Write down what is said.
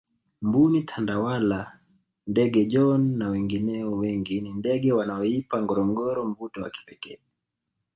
mbuni tandawala ndege John na wengineo wengi ni ndege wanaoipa ngorongoro mvuto wa kipekee